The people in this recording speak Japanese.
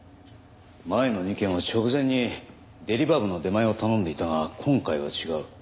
前の２件は直前にデリバー部の出前を頼んでいたが今回は違う。